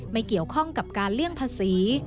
ไม่เกี่ยวข้องกับการเลี่ยงภาษี